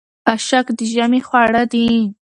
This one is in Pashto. اشک د ژمي خواړه دي.